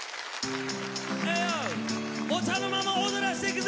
お茶の間も踊らせていくぜ！